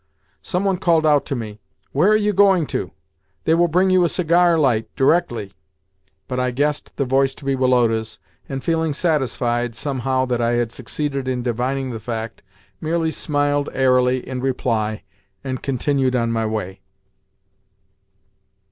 Some one called out to me, "Where are you going to? They will bring you a cigar light directly," but I guessed the voice to be Woloda's, and, feeling satisfied, somehow, that I had succeeded in divining the fact, merely smiled airily in reply, and continued on my way.